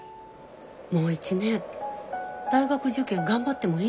もう一年大学受験頑張ってもいいのよ？